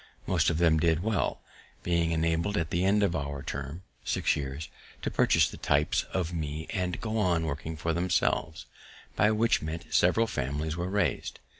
Most of them did well, being enabled at the end of our term, six years, to purchase the types of me and go on working for themselves, by which means several families were raised.